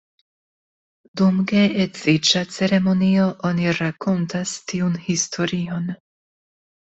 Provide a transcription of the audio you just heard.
Dum geedziĝa ceremonio, oni rakontas tiun historion.